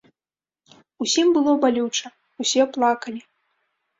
Усім было балюча, усе плакалі.